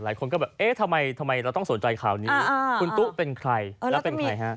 หลายคนก็แบบเอ๊ะทำไมเราต้องสนใจข่าวนี้คุณตุ๊เป็นใครแล้วเป็นใครฮะ